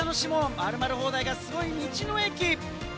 〇〇放題がすごい道の駅！